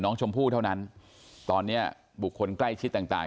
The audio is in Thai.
น้องชมพู่เท่านั้นตอนนี้บุคคลใกล้ชิดต่างต่าง